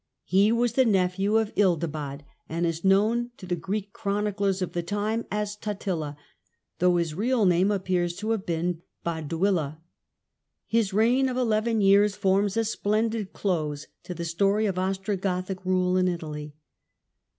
He was the nephew of Ildibad, and is known to the Greek chroniclers of the time as Tptila , though his real name appears to have been Baduila. His reign of eleven years forms a splendid close to the story of Ostrogothic rule in Italy.